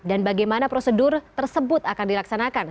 dan bagaimana prosedur tersebut akan dilaksanakan